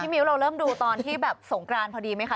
มิ้วเราเริ่มดูตอนที่แบบสงกรานพอดีไหมคะ